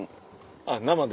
あっ生で。